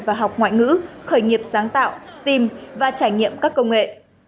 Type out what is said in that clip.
và học ngoại ngữ khởi nghiệp sáng tạo steam và trải nghiệm các công nghệ